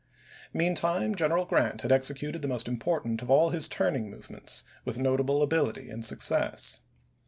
Meantime General Grant had executed the most important of all his turning movements with notable ability and success.